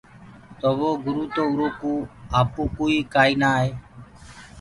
تو وو گُروُ تو اُرو ڪوُ آئو ڪوُ ئي ڪآئي نآ آئي۔